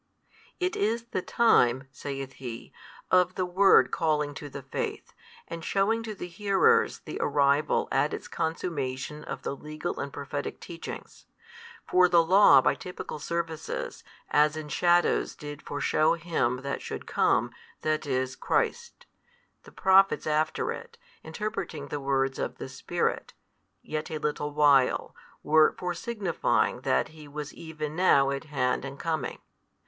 It is the time (saith He) of the Word calling to the Faith, and shewing to the hearers the arrival at its consummation of the legal and Prophetic preachings. For the law by typical services, as in shadows did foreshew Him That should come, that is, Christ: the Prophets after it, interpreting the words of the Spirit, Yet a little while, were fore signifying that He was even now at hand and coming.